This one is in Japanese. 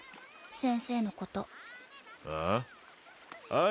先生のことああ？